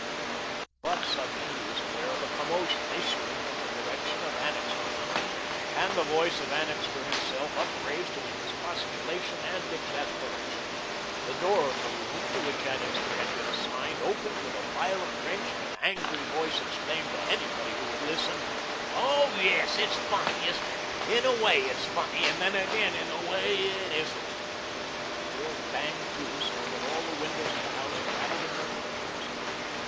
But suddenly he was aware of a commotion, issuing from the direction of Annixter's room, and the voice of Annixter himself upraised in expostulation and exasperation. The door of the room to which Annixter had been assigned opened with a violent wrench and an angry voice exclaimed to anybody who would listen: "Oh, yes, funny, isn't it? In a way, it's funny, and then, again, in a way it isn't." The door banged to so that all the windows of the house rattled in their frames.